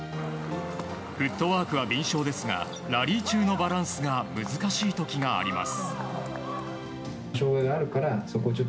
フットワークは敏捷ですがラリー中のバランスが難しい時があります。